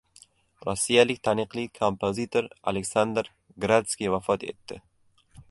Rossiyalik taniqli kompozitor Aleksandr Gradskiy vafot etdi